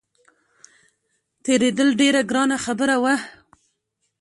تېرېدل ډېره ګرانه خبره وه.